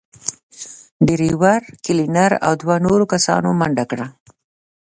ډرېور، کلينر او دوو نورو کسانو منډه کړه.